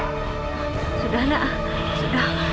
sudah nak sudah